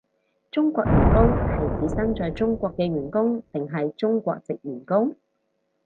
中國員工係指身在中國嘅員工定係中國藉員工？